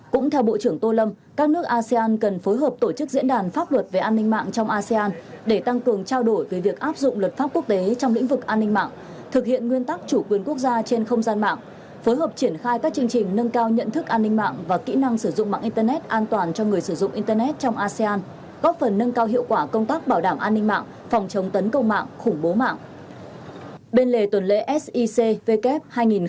cũng theo bộ trưởng tô lâm các nước asean cần phối hợp tổ chức diễn đàn pháp luật về an ninh mạng trong asean để tăng cường trao đổi về việc áp dụng luật pháp quốc tế trong lĩnh vực an ninh mạng thực hiện nguyên tắc chủ quyền quốc gia trên không gian mạng phối hợp triển khai các chương trình nâng cao nhận thức an ninh mạng và kỹ năng sử dụng mạng internet an toàn cho người sử dụng internet trong asean góp phần nâng cao hiệu quả công tác bảo đảm an ninh mạng phòng chống tấn công mạng khủng bố mạng